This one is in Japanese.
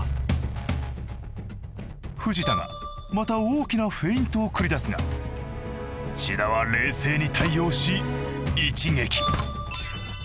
藤田がまた大きなフェイントを繰り出すが千田は冷静に対応し一撃。